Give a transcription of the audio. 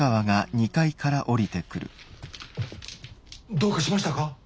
どうかしましたか？